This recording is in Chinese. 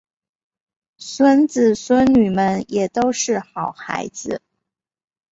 孙子孙女们也都是好孩子